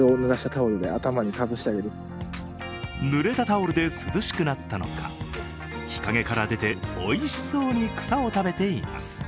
ぬれたタオルで涼しくなったのか日陰から出ておいしそうに草を食べています。